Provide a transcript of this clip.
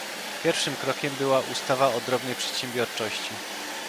Pierwszym krokiem była ustawa o drobnej przedsiębiorczości